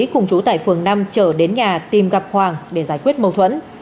cùng chú tại phường năm trở đến nhà tìm gặp hoàng để giải quyết mâu thuẫn